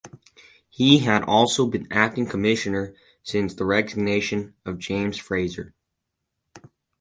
He had also been Acting Commissioner since the resignation of James Fraser.